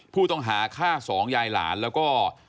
ผู้ต้องหาฆ่าสองยายหลานแล้วก็